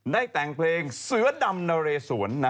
ได้แต่งเพลงเสือดำนาเลสวน